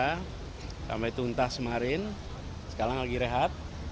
kita sampai tuntas semarin sekarang lagi rehat